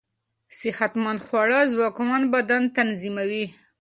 صحتمند خواړه ځواکمن بدن تضمينوي.